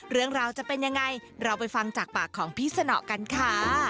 เรื่องราวจะเป็นยังไงเราไปฟังจากปากของพี่สนอกันค่ะ